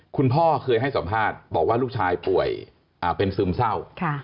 คุณพ่อเคยให้สัมภาษณ์บอกว่าลูกชายป่วยเป็นซึมเศร้า